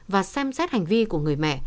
và xem xét hành vi của người mẹ